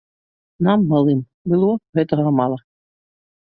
Нам, малым, было гэтага мала.